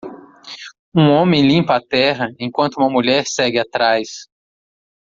Um homem limpa a terra enquanto uma mulher segue atrás.